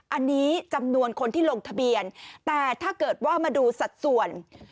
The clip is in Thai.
อันนี้จำนวนคนที่ลงทะเบียนแต่ถ้าเกิดว่ามาดูสัดส่วน